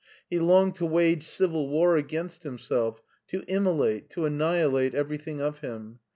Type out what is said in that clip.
He longed to wage civil war against himself, to immolate, to annihilate everything of him.